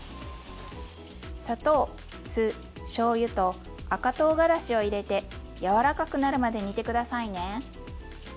砂糖酢しょうゆと赤とうがらしを入れて柔らかくなるまで煮て下さいね。